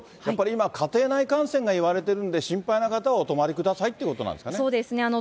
やっぱり今、家庭内感染がいわれてるんで、心配な方はお泊まりくださいということなんですかね。